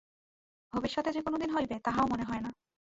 ভবিষ্যতে যে কোনদিন হইবে, তাহাও মনে হয় না।